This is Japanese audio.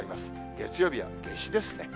月曜日は夏至ですね。